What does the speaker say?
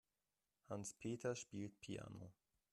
Hans-Peter spielt Piano.